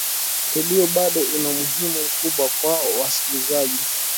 redio bado ina umuhimu mkubwa kwa wasikilizaji